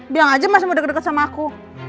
bilang aja mas mau deket deket sama aku